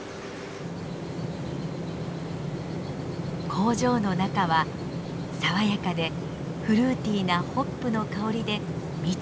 工場の中は爽やかでフルーティーなホップの香りで満ちていました。